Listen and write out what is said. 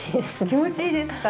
気持ちいいですか？